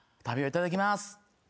いただきます。